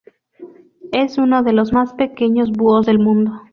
Es uno de los más pequeños búhos del mundo.